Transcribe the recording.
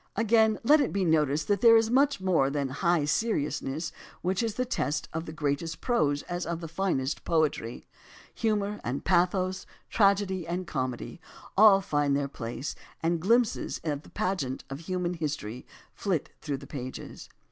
Again, let it be noticed that there is much more than the "high seriousness," which is the test of the greatest prose as of the finest poetry. Humor and pathos, tragedy and comedy, all find their place, and glimpses of the pageant of human history flit through AS TO ANTHOLOGIES 235 the pages.